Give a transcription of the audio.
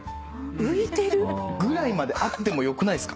浮いてる？ぐらいまであってもよくないっすか？